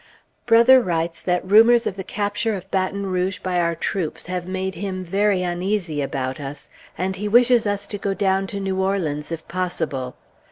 Brother writes that rumors of the capture of Baton Rouge by our troops have made him very uneasy about us; and he wishes us to go down to New Orleans if possible.